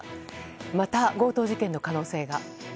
また、強盗事件の可能性が。